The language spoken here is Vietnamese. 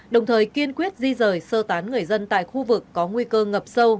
đồng thời kiên quyết di rời sơ tán người dân tại khu vực có nguy cơ ngập sâu